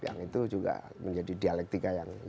yang itu juga menjadi dialektika yang cukup baik